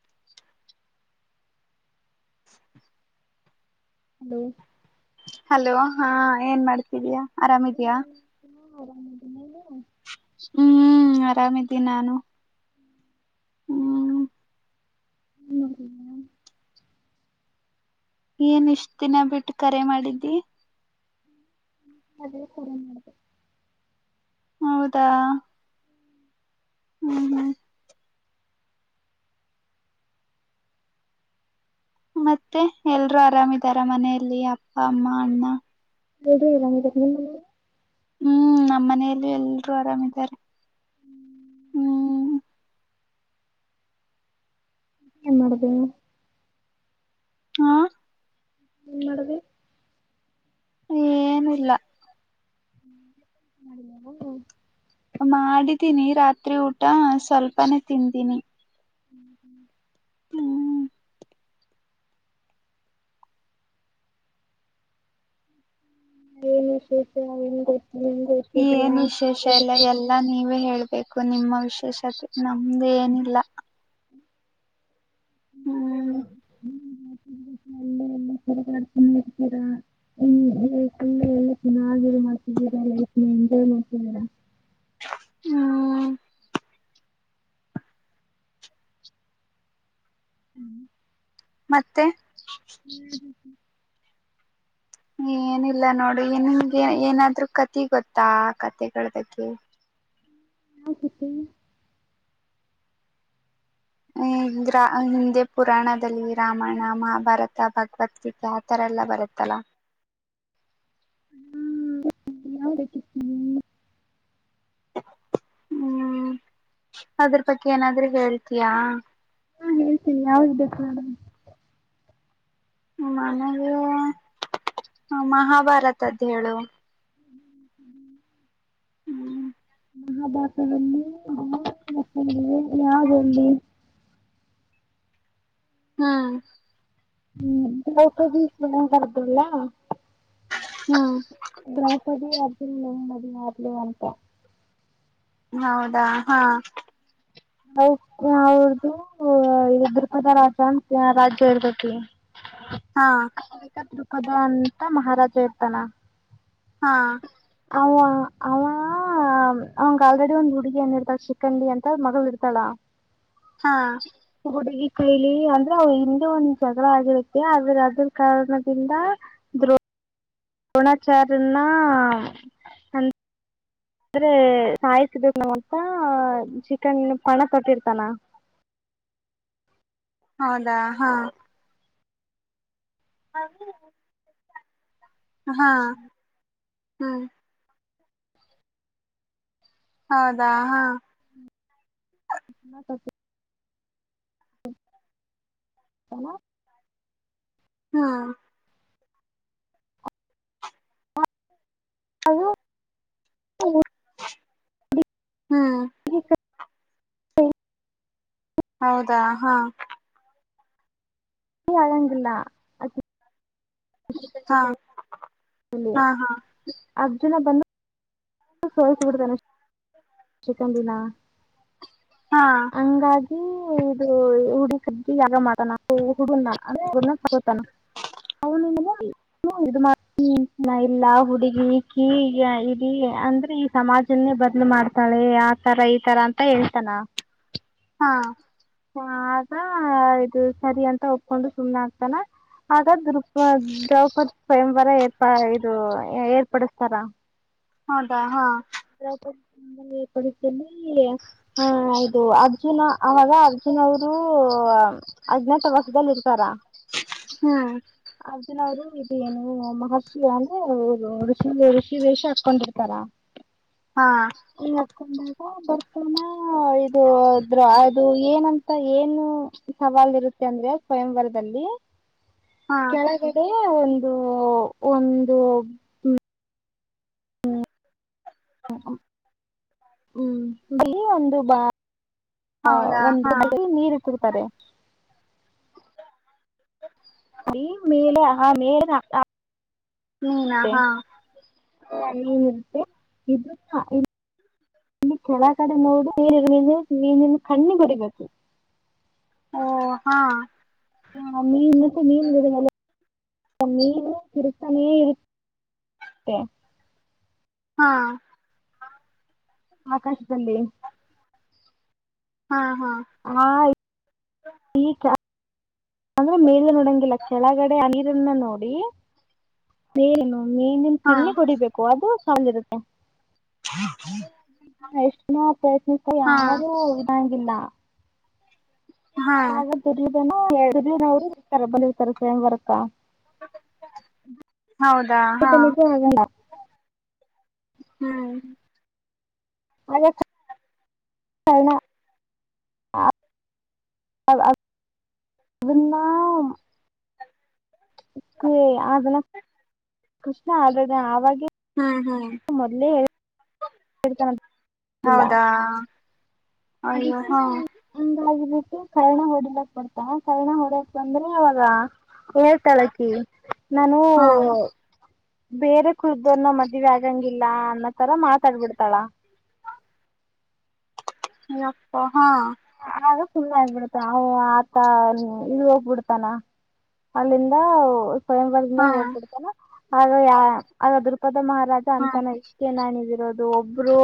[inaudible] [inaudible] Hello hello ಹಾ ಏನ್ ಮಾಡ್ತಿದಯಾ ಆರಾಮಿದ್ಯಾ ಹ ಆರಾಮದ ಹ್ಮ್ ಆರಾಮಿದ್ದೀನಿ ನಾನು ಹ್ಮ್ [inaudible] ಏನ್ ಇಷ್ಟ ದಿನ ಬಿಟ್ಟು ಕರೆ ಮಾಡಿದ್ದಿ ಆದ್ರ ಕೂಡ ಮಾಡಬೇಕ ಹೌದಾ ಹ್ಮ್ ಹ್ಮ್ ಮತ್ತೆ ಎಲ್ರರು ಆರಾಮಿದಾರ ಮನೆಯಲ್ಲಿ ಅಪ್ಪ ಅಮ್ಮ ಅಣ್ಣ ಎದು ಇಲ್ಲ ನೀ ಹ್ಮ್ ನಮ್ಮ್ ಮನೆಯಲ್ಲಿ ಎಲ್ರರು ಆರಾಮಿದ್ದಾರೆ ಹ್ಮ್ ಮಾಡದ ಹಾ ಏನ್ ಮಾಡದೆ ಏನಿಲ್ಲ ಮಾಡಿದೀನಿ ರಾತ್ರಿ ಊಟ ಸ್ವಲ್ಪನೆೇ ತಿಂದೀನಿ ಹ್ಮ್ ಶೇಷ ಏನ್ ವಿಶೇಷ ಇಲ್ಲ ಎಲ್ಲಾ ನೀವೇ ಹೇಳ್ಬೇಕು ನಿಮ್ಮ ವಿಶೇಷತೆ ನಮ್ದ ಏನಿಲ್ಲ ಹ್ಮ್ ತಿನ್ನ ಇರ್ತೀರಾ ಈ ಕಲ್ಲ ಎಲ್ಲ ಚನ್ನಾಗಿ ಮಾಡ್ತಿದ್ದರಲ್ಲ ಎಟ ಮತ್ತಡ ಹ್ಮ್ [inaudible] ಮತ್ತೆ ಏನಿಲ್ಲ ನೋಡಿ ನಿಮ್ಗೆ ಏನಾದ್ರ ಕತಿ ಗೊತ್ತಾ ಕತೆಗಳದಕ್ಕೆ ಯಾವ್ ಕಥೆ ಹ [inaudible] ಹಿಂದೆ ಪುರಾಣದಲ್ಲಿ ರಾಮಾಯಣ ಮಹಾಭಾರತ ಭಗವದ್ಗೀತೆ ಆತರ ಎಲ್ಲ ಬರುತ್ತಲ್ಲ ಹ್ಮ [unintelligible] ಹ್ಮ್ ಅದ್ರ ಬಗ್ಗೆ ಏನಾದ್ರೂ ಹೇಳ್ತಯಾ ಕೇಳ್ತೀನಿ ಯಾವಾಗ ಬೇಕು ನಡ [unintelligible] ಮನಗೆ ಮಹಾಭಾರತ ಅದ್ದ್ ಹೇಳು ಹ್ಮ್ [inaudible] ಮಹಾಭಾಷದಲ್ಲಿ ಆ ಲಕ್ಷಣ ಆಗಲ್ಲಿ [inaudible] ಹ್ಮ್ ಹ್ಮ್ ಟದ ಬಾರ್ದಲ್ಲ [unintelligible] ಹ್ಮ್ ದ್ರೌಪದಿ ಅರ್ಜುನ್ ಮುಮದ [unintelligible] ಮಾರ್ಲಿ ಅಂತ ಹೌದಾ ಹಾ ನ ಅವ್ರ್ದ ದೃಪದ ರಾಜ ಅಂತ ರಾಜ್ಯ ಇರ್ತತಿವಿ [unintelligible] ಹಾ ಪದ [unintelligible] ಅಂತ ಮಹಾರಾಜ ಇರ್ತಾನ ಹಾ ಅವ ಅವ ಅವಂಗ ಆಲ್ರೆಡಿ ಒಂದ್ ಹುಡುಗಿ ಏನ ಇರ್ತಾರ ಚಿಕ್ಕಂಡಿ ಅಂತ ಮಗಳ ಇರ್ತ ಇರ್ತಾಳ ಹಾ ಹುಡುಗಿ ಕೈಲಿ ಅಂದ್ರೆ ಅವ ಹಿಂದೆ ಒಂದ್ ಜಗಳ ಆಗಿರುತ್ತೆ ಅದ್ರ ಅದ್ರ ಕಾರಣದಿಂದ ದೋ ದ್ರೋಣಾಚಾರನ್ನ ಅ ಆದ್ರೆ ಸಾಯಿಸಬೇಕು ನ್ಂತ ಚಿಕನ್ ಪಣ ತೊಟ್ಟಿರ್ತಾನ [unintelligible] [inaudible] ಹೌದಾ ಹಾ ಹ [unintelligible] ಹಾ ಹ್ಮ್ ಹೌದಾ ಹಾ ತ [unintelligible] ಹನ [unintelligible] ಹಾ ಹಾ ಅದುದು [unintelligible] ಹ್ಮ್ ಹ ಸ [unintelligible] ಹೌದಾ ಹಾ ಅಳಂಗಿಲ್ಲ ಅ [unintelligible] ಹಾ ಹಾ ಹಾ ಅರ್ಜುನ ಬಂದು ಸೋಸ ಬಿಡ್ತಾನೆ ಶಿಕಂಡಿನ ಹಾ ಹ ಇದು ಹುಡಿ ಸಜಜಿ ಯಾಗ ಮಾಡ ನಾವು ಹುಡ ಹು ತಗೋತಾನ ಅವನಿಂದ [unintelligible] ಹ್ಮ ಇದು ಮಾಡ ಎಲ್ಲಾ ಹುಡುಗಿ ಕೀ ಇಡ ಅಂದ್ರೆ ಈ ಸಮಾಜ ನ್ನೆ ಬದ್ಲು ಮಾಡ್ತಾಳೆ ಆ ತರ ಈ ತರ ಅಂತ ಹೇಳ್ತಾನ ಹಾ ಆಗ ಇದು ಸರಿ ಅಂತ ಒಪ್ಕೊಂಡು ಸುಮ್ನೆ ಆಗ್ತಾನ ಆಗ ದಪ ದ್ರೌಪದಿ ಸ್ವಯಂವರ ಏರ್ಪಾ ಇದು ಏರ್ಪಡಿಸತಾರ [unintelligible] ಹೌದಾ ಹಾ ನೇ ಪಡಿತಲ್ಲಿ ಹಾ ಇದು ಅರ್ಜುನ ಅವಾಗ ಅರ್ಜುನ್ ಅವರು ಅದ್ನ ತ ಇದಲ್ಲಿ ಇರ್ತಾರ ಹ್ಮ್ ಅ ಅವರು ಏನು ಮಹರ್ಷಿ ಅಂದ್ರೆ ಋಷಿ ವೇಷ ಹಾಕೊಂಡಿರ್ತಾರ [inaudible] ಹಾ ಹಂ ಈ ಹಕೊಂಡಾಗ ಬರ್ತಾನ ಇದು [unintelligible] ಅದು ಏನಂತ ಮತ್ತ ಏನು ಸವಾಲ್ ಇರುತ್ತೆ ಅಂದ್ರೆ ಸ್ವಯಂವರದಲ್ಲಿ ಹಾ ಕೆಳಗಡೆ ಒಂದು ಒಂದು ಹ್ಮ ಹ್ಮ್ ಬಿಳಿ ಒಂದು ಬಾ ಹಂ ಹೌದಾ ಹಾ ಒಂದು ನೀರು [unintelligible] ನೀ ಮೇಲೆ ಹಾ ಮೇಲೆ ಹ್ಮ್ ಅಹ [unintelligible] ಇ ಕೆಳಗಡೆ ನೋಡು ನೀ ನೀನಿ ಕಣ್ಣಿಗ್ ಓಡಿಬೇಕು ಓ ಹಂ [unintelligible] ನೀರು ತಿರ್ಗ್ತಾನೆ ಇರುತ್ತೆ ಹಾಂ ಆಕಾಶ್ದಲ್ಲಿ ಹಾ ಹಾ ಹಾಂ [unintelligible] ಅಂದ್ರೆ ಮೇಲೆ ನೋಡಂಗಿಲ್ಲ ಕೆಳಗಡೆ ಅ ನೀರನ್ನ ನೋಡಿ [unintelligible] ಮೇನನ್ ಹಾ ಕಣ್ಣಿಗ್ ಹೊಡಿಬೇಕು ಅದು ಸ್ಟ್ರಾಂಗ್ ಇರುತ್ತೆ [inaudible] ಇ ಪ್ರಯತ್ನಿಸ್ತಾ ಹಾ ಯಾರು ಇದಾಗಿಲ್ಲ ಹಾ ಹಾಗೆ [unintelligible] ರು ಇರ್ತ ಬಲಿರ್ತಾರೆ ಸೋಮವಾರಕ್ಕ ಹೌದು ತನಕೂ ಹೋಗಲ್ಲ ಹ್ಮ್ [unintelligible] ಕರ್ಣ [unintelligible] [inaudible] ಇಲ್ಲ ಕ್ ಅಗಲ್ಲ ಕೃಷ್ಣ ಆದ [unintelligible] ಹ್ಮ್ ಹ್ಮ್ [unintelligible] ಹೌದಾ ಅಯ್ಯೋ ಅದಿಕ್ಕೆ ಹಾ ನನ್ ಹಂಗ್ [unintelligible] ಕರ್ಣ ಹೊಡಿಲಕ್ ಬರ್ತಾ ಕರ್ಣ ಹೊಡಕ್ ಬಂದ್ರೆ [unintelligible] ಹೇಳ್ತಾಳಕಿ ನಾನು ಹಾ ಬೇರೆ ಕುಗೊರ್ನನ್ನ ಮದ್ವೆ ಆಗಂಗಿಲ್ಲ ಅನ್ನೋತರ ಮಾತಾಡ್ಬಿಡ್ತಾಳ [inaudible] ಯಪ್ಪ ಹಾ ಸುಮ್ನ್ ಆಗ್ ಬಿಡತ ಅವ ಆತ ಇಳೋಗ್ಬಿಡ್ತಾನ ಅಲ್ಲಿಂದ ಸ್ವಯಂಬಾರದಿಂದ ಹಾ ಹೋಗ್ಬಿಡ್ತೇನ ಆಗ [unintelligible] ಮಹಾರಾಜ ಹಾ ಅಂತಾನ ಇಷ್ಟೇ ನಾಣಿದಿರೋದು ಅದು ಒಬ್ಬರು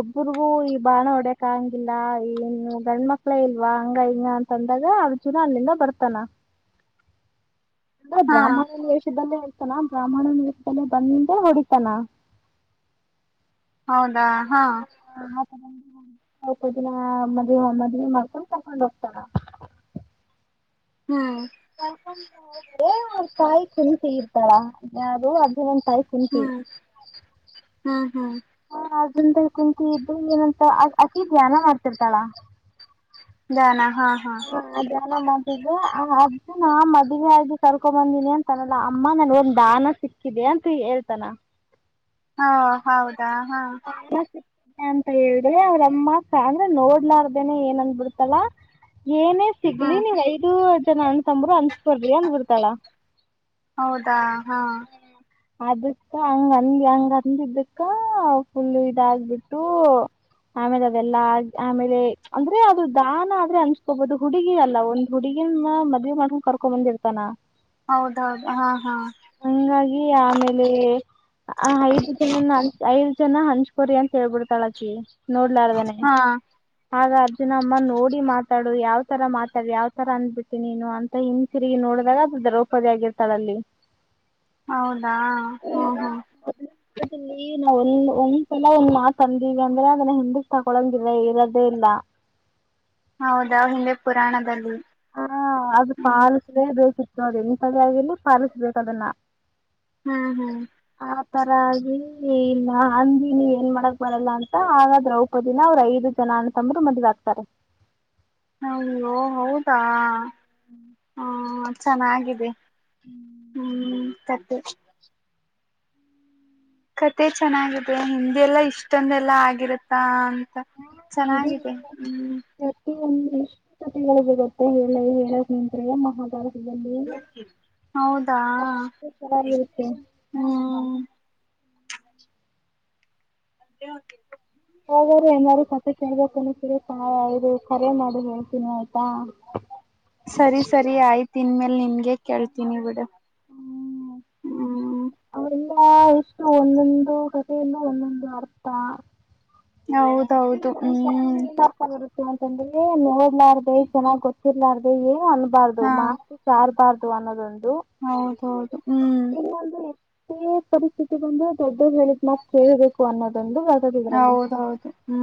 ಒಬ್ರಗೂ ಈ ಬಾಣ ಹೊಡಕ್ಂಗಿಲ್ಲ ಏನು ಗಂಡ್ಮಕ್ಳ ಇಲ್ವಾ ಹಂಗ ಹಿಂಗ ಅಂತ ಅಂದಾಗ ಅರ್ಜುನ ಅಲ್ಲಿಂದ ಬರ್ತಾನ ಅಂದ ಹಾ ಬ್ರಾಹ್ಮಣ ವೆಷದಲ್ಲೆ ತನ ಬ್ರಾಹ್ಮಣ ವೇಷದಲ್ಲಿ ಬಂದು ಹೊಡಿತನ ಹೌದಾ ಹಾ ಸ್ವಲ್ಪ ದಿನ ಮದ್ವೇ ಮದ್ವೆ ಮಾಡ್ಕೊಂಡು ಕರ್ಕೊಂಡು ಹೋಗ್ತಾನ [inaudible] ಬರಕೊಂಡ. [inaudible] ಇಲ್ಲ ಅವ್ರ ತಾಯಿ ಕುಂಟಿ ಇರ್ತಾರಾಳ್ ಯಾವ್ದೋ ಅದು ಒಂದ ತಾಯಿ ಕುಂಟಿ. [inaudible] [inaudible] ಹ ಹಾ ನಾಲ್ಕ ಜನದಲ್ಲಿ ಕುಂಟಿ ಇದ್ದು ಏನಂತ ಅಕೀ ಧ್ಯಾನ ಮಾಡ್ತಿರ್ತಾಳ. [inaudible] ಜ್ಞಾನ ಹಾ ಹಾ [inaudible] ಈಗ ಅ ಅರ್ಜುನಾ ಮದುವೆ ಆಗಿ ಕರ್ಕೊ ಬಂದೀನಿ ಅಂತನಲ್ಲ ಅಮ್ಮ ನನ್ಗೊಂದ್ ದಾನ ಸಿಕ್ಕಿದೆ. ಎಂತು ಹೇಳ್ತನಾ. ಹಾ ಹೌದಾ ಹಾ ಹೇಳದೇ ಅವ್ರಮ್ಮ ಸಾಂದ್ರೆ ನೋಡ್ಲಾರ್ದೇನೆ ಏನ್ಂದ ಬಿಡ್ತಲ್ಲಾ. ಏನೇ ಸಿಗ್ಲಿ ಹ್ಮ್ ನೀವ್ ಐದು ಜನ ಅನತಂಬರು ಹಂಚಕೊರಿ ಅಂದ್ಬಿಡ್ತಾಳ. ಹೌದಾ ಹಾ ಅದಕ್ಕ ಹಂಗಂದ ಹೆಂಗ್ ಅಂದಿದ್ದಕ್ಕ ಫುಲ್ ಇದಾಗ ಬಿಟ್ಟು ಆಮೇಲೆ ಅದೆಲ್ಲಾ ಆ ಆಮೇಲೆ ಅಂದ್ರೆ ಅದು ದಾನ ಆದ್ರೆ ಅನ್ಸ್ಕೋಬಹುದು ಹುಡುಗಿ ಅಲ್ಲ ಒಂದ ಹುಡುಗಿ ಹಿನ್ಮ್ ಮದ್ವಿ ಮಾಡಕೊಂಡ ಕರ್ಕೊ ಬಂದಿರ್ತಾನ? ಹೌದ ಹೌದ ಹಾ ಹಾ ಹಂಗಾಗಿ ಆಮೇಲೆ ಆ ಹೆದು ಜನನ ಐದ ಜನ ಹಂಚ್ಕ ಕೊರಿ ಅಂತ ಹೇಳ್ಬಿಡ್ತಾಳ ಆಕಿ ನೋಡ್ಲಾರ್ದಾನೆ ಹಾ ಆಗ ಅರ್ಜುನ ಅಮ್ಮ ನೋಡಿ ಮಾತ ಮಾತಾಡು ಯಾವ ತರ ಮಾತಾಡಲಿ ಯಾವ ತರ ಅಂದ್ಬಿಟ್ಟು ನೀನು ಅಂತ ಹಿಂದ ತಿರುಗಿ ನೋಡಿದಾಗ ಅದು ದ್ರೌಪದಿ ಆಗಿರ್ತಾಳ ಅಲ್ಲಿ. [unintelligible] ಹೌದಾ ಹ ಹ ನೀ ಮೋಲಿನು ಒಂದ್ಸಲ ಒಂದ್ ಮಾತ್ ಅಂದಲ ಅಂದ್ರ ಅದನ್ನ ಹಿಂದಕ್ ತಕೊಳಂಗಿಲ್ಲ ಇರದೇ ಇಲ್ಲ? ಹೌದಾ ಹಿಂದೆ ಪುರಾಣದಲ್ಲಿ, ಹಾ ಅದು ಹ್ಮ್ ಪಾಲಿಸಲೇ ಬೇಕಿತ್ತು ಅದು ಈ ಪದ ಆಗಿರಲಿ ಪಾಲಿಸಬೇಕ್ ಅದನ್ನ ಹು ಹು ಇತರ ಆಗಿ ಏ ಇಲ್ಲ ಹಂದೀ ನೀ ಏನ್ ಮಾಡಕ್ ಬರಲ್ಲ ಅಂತ ಆಗ ದ್ರೌಪದಿನ ಅವ್ರ ಐದು ಜನ ಅಣ್ಣತಂಬರು ಮದುವೆ ಆಗ್ತಾರೆ. ಅಯ್ಯೋ ಹೌದಾ? ಹ ಚೆನ್ನಾಗಿದೆ ಹು ಸದ್ದೇ, ಕತೆ ಚೆನ್ನಾಗಿದೆ ಹಿಂದಿಲ್ಲಾ ಇಷ್ಟಂದೆಲ್ಲಾ ಆಗಿರತ್ತಾ. ತ್ತ ಚೆನ್ನಾಗಿದೆ ಹೂ ಈ ಒಂದರ ಎಷ್ಟ ಹೊತ್ತಿಗೆ ಏಳುದು ಗೊತ್ತಾ ಹೇಳ್ಳೆ ಹೇಳಕ್ ನಿಂತರೆ ಮಹಾಭಾರತ ಈಗ ನೋವು ಹೌದಾ ಅಷ್ಟೆ ಚೆನ್ನಾಗಿರುತ್ತೆ. [inaudible] ಹ್ಮ್ ಅದಕ್ಕೆ ಅವರ ತಿನ್ನಕೊಂಡ, ಹೌಗೋರೆ ಏಲಾರೋ ಕತೆ ಕೇಳ್ಬೇಕ ಅನತರಿ ಇದು ಕರೆ ಮಾಡಿ. ಹೊಟ್ಟಿ ನೋವುತ್ತಾ? ಸರಿ ಸರಿ ಆಯ್ತ ಇನ್ ಮೇಲ್ ನಿಮ್ಮ ಗೆ ಕೇಳ್ತೀನಿ ಬಿಡ. ಹು ಹು ಅವೆಲ್ಲ ಇಟ್ಟು ಒಂದೊಂದು ಕಥೆಯಲ್ಲ ಒಂದೊಂದು ಅರ್ಥ? ಹೌದೌದು ಹ್ಮ್ [unintelligible] [inaudible] ಯಾಕ್ ಅಂದ್ರೆ ನೋಡಲ್ಲ ಆರದೇ ಚೆನ್ನಾಗ್ ಗೊತ್ತಿರ್ಲಾದೇ ಏ ಅನ್ಬಾರ್ದು ಮಾತು ಸಾರಬಾರ್ದು? ಅಥವಾ ಅನ್ನೋದು. ಹೌದ ಹೌದ ಹು ಈ ಪರಿಸ್ಥಿತಿ ಬಂದು ದೊಡ್ಡರ ಹೇಳಿದ್ ಮಾತಾ ಕೇಳಬೇಕು ಅನ್ನೋದೊಂದು ವಗದ ಇದ್ರಲ್ಲಿ. ಹೌದ ಹೂ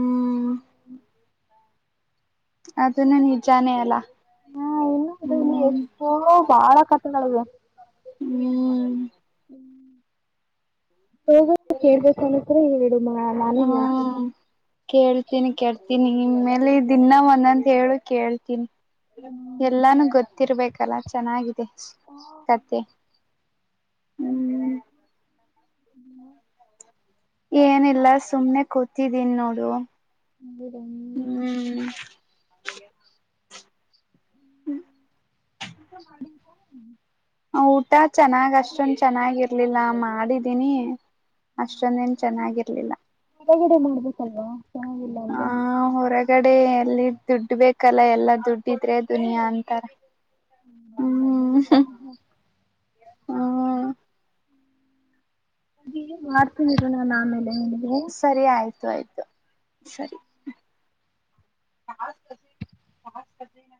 ಅದುನೇ ನಿಜಾನೇ ಅಲ್ಲ ಹಾ ಇನ್ನು ಹೂ ಹಲೋ ಹ್ಮು [unintelligible] ನಾನು ಹ್ಮ್ ಹೇಳ್ತೀನಿ. ಕೇಳ್ತೀನಿ ಕೇಳ್ತೀನಿ ಇನ್ನಮೇಲೆ ದಿನ್ನ ಒಂದೊಂದು ಹೇಳು ಕೇಳ್ತೀನಿ. ಎಲ್ಲಾನೂ ಗೊತ್ತಿರ್ಬೇಕಲ್ಲ ಚೆನ್ನಾಗಿದೆ ಕಥೆ. ಹ್ಮು [unintelligible] ಏನಿಲ್ಲ ಸುಮ್ನೆ ಕೂತಿದ್ದೀನಿ ನೋಡು. ಬಿಡುಗಡೆ ಹ್ಮು [unintelligible] ಆ ಊಟ ಚೆನ್ನಾಗ್ ಅಷ್ಟೊಂದ್ ಚೆನ್ನಾಗಿರ್ಲಿಲ್ಲ ಮಾಡಿದೀನಿ. ಅಷ್ಟೊಂದೇನ್ ಚೆನ್ನಾಗಿರ್ಲಿಲ್ಲ. ಕೆಳಗಡೆ ಮಾಡ್ಬೇಕಲ್ವಾ ಚೆನ್ನಾಗಿಲ್ಲ ಅಂದ್ರೆ. ಕಡೆ ಎಲ್ಲಿ ದುಡ್ಡ್ ಬೇಕಲ್ಲ ಎಲ್ಲಾ ದುಡ್ಡಿದ್ರೆ ದುನಿಯಾ ಅಂತಾರ. ಹ್ಮ್ ಹ್ಮು [unintelligible] ಹ್ಮ್ ಏನ್ ಮಾಡ್ತಿದೀರಾ [unintelligible] ಸರಿ ಆಯ್ತು ಆಯ್ತು. ಸರಿ [unintelligible]